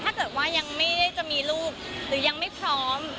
ถ้าเกิดว่ายังไม่ได้จะมีลูกหรือยังไม่พร้อม